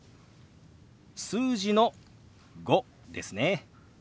数字の「５」ですね。